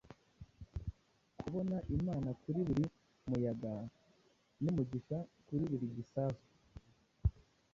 Kubona imana kuri buri muyaga n'umugisha kuri buri gisasu;